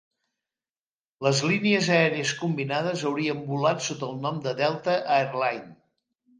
Les línies aèries combinades haurien volat sota el nom de Delta Air Lines.